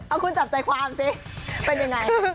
เอาคุณจับใจความสิเป็นยังไง